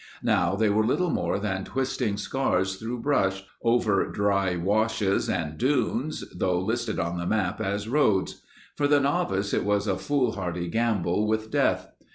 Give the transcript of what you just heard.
Now they were little more than twisting scars through brush, over dry washes and dunes, though listed on the maps as roads. For the novice it was a foolhardy gamble with death.